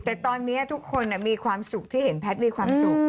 แต่ตอนนี้ทุกคนมีความสุขที่เห็นแพทย์มีความสุข